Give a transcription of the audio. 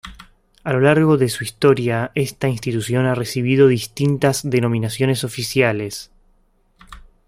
A lo largo de su historia esta institución ha recibido distintas denominaciones oficiales.